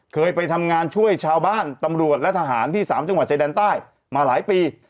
เคยไปทำงานช่วยชาวบ้านตำรวจและทหารที่๓จังหวัดชายแดนใต้มาหลายปี